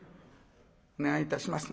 お願いいたします。